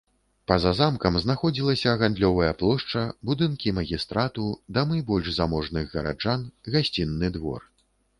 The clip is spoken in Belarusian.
Па-за замкам знаходзілася гандлёвая плошча, будынкі магістрату, дамы больш заможных гараджан, гасцінны двор.